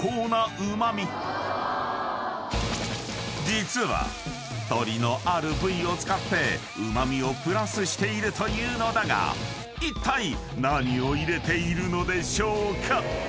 ［実は鶏のある部位を使ってうま味をプラスしているというのだがいったい何を入れているのでしょうか？］